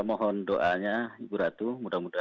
mohon doanya ibu ratu mudah mudahan